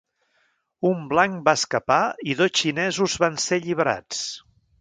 Un blanc va escapar i dos xinesos van ser alliberats.